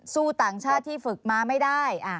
ต่างชาติที่ฝึกมาไม่ได้